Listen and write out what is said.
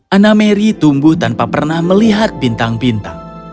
anak merry tumbuh tanpa pernah melihat bintang bintang